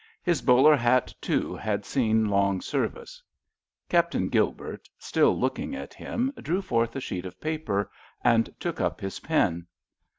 His bowler hat, too, had seen long service. Captain Gilbert, still looking at him, drew forth a sheet of paper, and took up his pen.